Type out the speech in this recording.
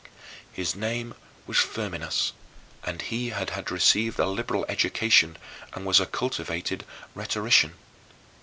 His name was Firminus and he had received a liberal education and was a cultivated rhetorician.